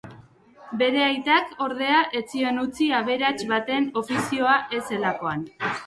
Bere aitak, ordea ez zion utzi aberats baten ofizioa ez zelakoan.